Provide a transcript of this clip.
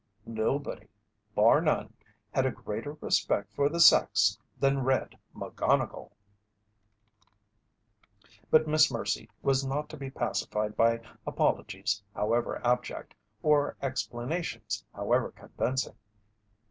Nobody bar none had a greater respect for the sex than "Red" McGonnigle! But Miss Mercy was not to be pacified by apologies however abject, or explanations however convincing.